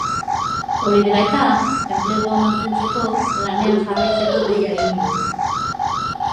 Hori dela eta, enplegua mantentzeko lanean jarraitzeko deia egin du.